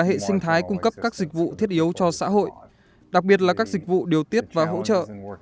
hệ sinh thái cung cấp các dịch vụ thiết yếu cho xã hội đặc biệt là các dịch vụ điều tiết và hỗ trợ